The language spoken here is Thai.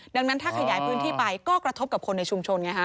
ดังนั้นถ้าขยายพื้นที่ไปก็กระทบกับคนในชุมชนไงฮะ